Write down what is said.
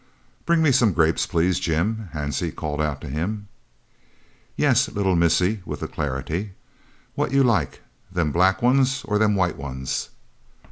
"Bring me some grapes, please, Jim," Hansie called out to him. "Yes, little missie," with alacrity. "What you like? Them black ones or them white ones?"